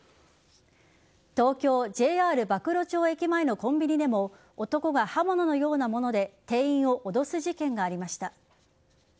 東京・ＪＲ馬喰町駅前のコンビニでも男が刃物のようなもので店員を脅す事件がありました。